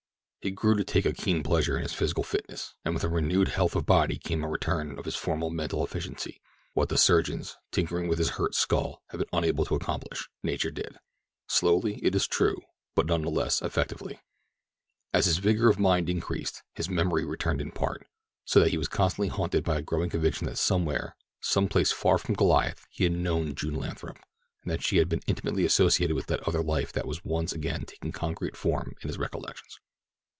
He grew to take a keen pleasure in his physical fitness, and with renewed health of body came a return of his former mental efficiency—what the surgeons, tinkering with his hurt skull, had been unable to accomplish, nature did; slowly, it is true, but none the less effectively. As his vigor of mind increased, his memory returned in part, so that he was constantly haunted by a growing conviction that somewhere, some place far from Goliath, he had known June Lathrop, and that she had been intimately associated with that other life that was once again taking concrete form in his recollections.